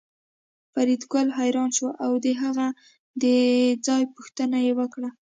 فریدګل حیران شو او د هغه د ځای پوښتنه یې وکړه